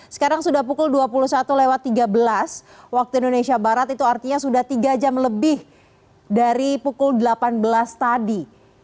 sekarang sudah pukul dua puluh satu lewat tiga belas waktu indonesia barat itu artinya sudah tiga jam lebih dari pukul delapan belas tadi